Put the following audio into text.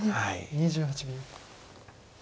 ２８秒。